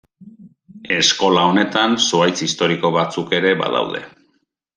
Eskola honetan zuhaitz historiko batzuk ere badaude.